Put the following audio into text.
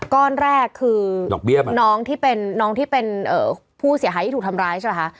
ก้อนแรกคือน้องที่เป็นผู้เสียหายที่ถูกทำร้ายใช่ป่ะคะ